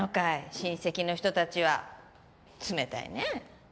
親戚の人達は冷たいねえ